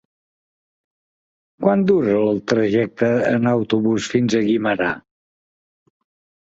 Quant dura el trajecte en autobús fins a Guimerà?